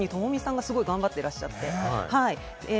特に友美さんが頑張っていらっしゃって。